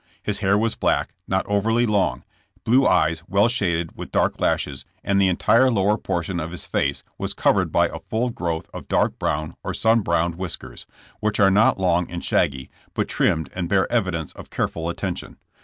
His hair was black, not overly long; blue eyes, well shaded with dark lashes, and the entire lower portion of his face was covered by a full growth of dark brown or sun browned whisk ers, which are not long and shaggy, but are trimmed and bear evidence of careful attention.